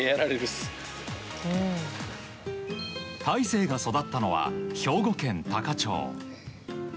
大勢が育ったのは兵庫県多可町。